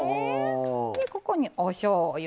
でここにおしょうゆ。